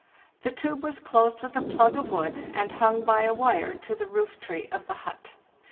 The tube was closed with a plug of wood and hung by a wire to the roof tree of the hut.